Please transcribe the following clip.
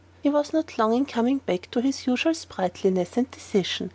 He was not long in coming back to his usual sprightliness and decision.